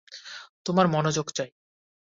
তোমার মনোযোগ চাই।